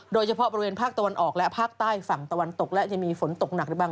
โดยเฉพาะบริเวณภาคตะวันออกและภาคใต้ฝั่งตะวันตกและจะมีฝนตกหนักหรือบาง